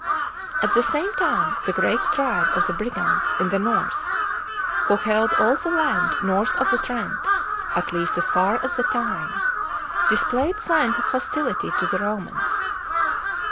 At the same time the great tribe of the Brigantes in the north, who held all the land north of the Tient at least as far as the Tyne, displayed signs of hostility to the Romans.